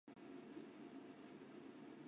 崇祯七年考中甲戌科进士。